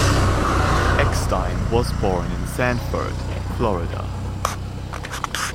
Eckstein was born in Sanford, Florida.